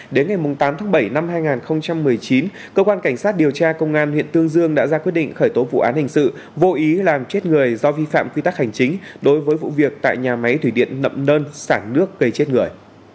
đến ngày tám tháng bảy năm hai nghìn một mươi chín cơ quan cảnh sát điều tra công an huyện tương dương đã ra quyết định khởi tố vụ án hình sự vô ý làm chết người do vi phạm quy tắc hành chính đối với vụ việc tại nhà máy thủy điện nậm đơn sản nước gây chết người